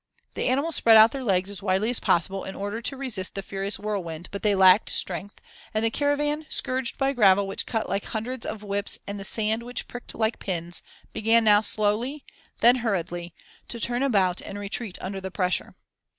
The animals spread out their legs as widely as possible in order to resist the furious whirlwind, but they lacked strength, and the caravan, scourged by gravel which cut like hundreds of whips and the sand which pricked like pins, began now slowly, then hurriedly, to turn about and retreat under the pressure.